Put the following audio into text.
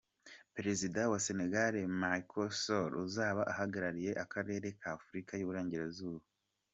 Perezida wa Senegal, Macky Sall, uzaba ahagarariye akarere ka Afurika y'uburengerazuba;.